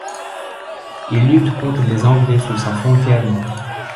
Il lutte contre les Anglais sur sa frontière nord.